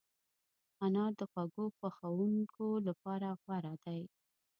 انار د خوږو خوښونکو لپاره غوره دی.